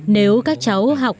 nếu các cháu học